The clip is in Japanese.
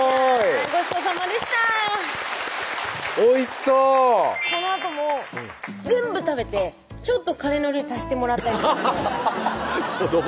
ごちそうさまでしたおいしそうこのあとも全部食べてちょっとカレーのルー足してもらったりとかアハハハッ子ども